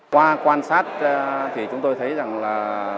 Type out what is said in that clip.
qua quan sát thì chúng tôi thấy rằng là